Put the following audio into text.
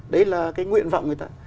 đấy là cái nguyện vọng người ta